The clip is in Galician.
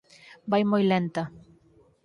Vai moi lenta